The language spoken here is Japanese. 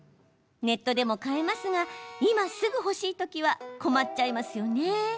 ネットでも買えますが今すぐ欲しいときは困っちゃいますよね。